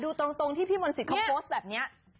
ดูตรงที่พี่มนต์สิทธิเขาโพสต์แบบนี้